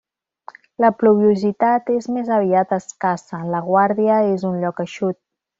La pluviositat és més aviat escassa, la Guàrdia és un lloc eixut.